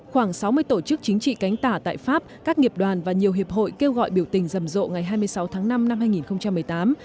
khoảng sáu mươi tổ chức chính trị cánh tả tại pháp các nghiệp đoàn và nhiều hiệp hội kêu gọi biểu tình rầm rộ ngày hai mươi sáu tháng năm năm hai nghìn một mươi tám